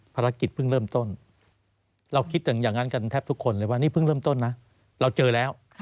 พึ่งเริ่มต้นนะเราเจอแล้ว